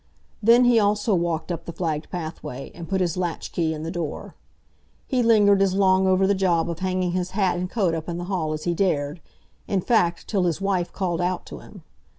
Then he also walked up the flagged pathway, and put his latchkey in the door. He lingered as long over the job of hanging his hat and coat up in the hall as he dared, in fact till his wife called out to him.